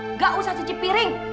enggak usah cuci piring